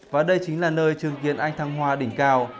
và đây chính là nơi trường kiến anh thăng hoa đỉnh cao